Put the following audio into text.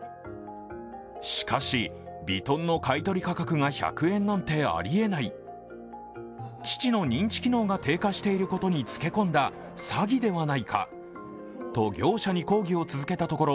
しかしヴィトンの買い取り価格が１００円なんてありえない、父の認知機能が低下していることにつけ込んだ詐欺ではないかと業者に抗議を続けたところ